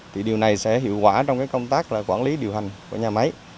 thì điều này sẽ hiệu quả trong cái công tác quản lý điều hành của nhà máy